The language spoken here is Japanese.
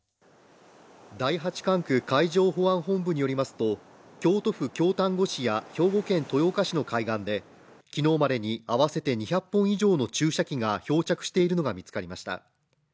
第八管区海上保安本部によりますと、京都府京丹後市や兵庫県豊岡市の海岸で、昨日までに合わせて２００本以上の注射器が漂着しているのが見つかりました。